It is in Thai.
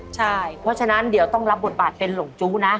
เพราะฉะนั้นเดี๋ยวต้องรับบทบาทเป็นหลงจู้นะ